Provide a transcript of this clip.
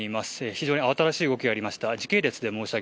非常に慌ただしい動きがありました。